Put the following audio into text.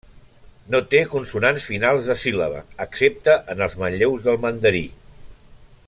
No té consonants finals de síl·laba, excepte en els manlleus del mandarí.